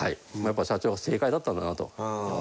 やっぱり社長は正解だったんだなと。